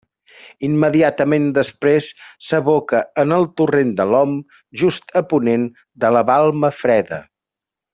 Immediatament després s'aboca en el torrent de l'Om just a ponent de la Balma Freda.